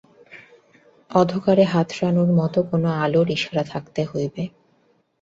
অধকারে হাতড়ানোর মতো কোনো আলোর ইশারা থাকতে হবে।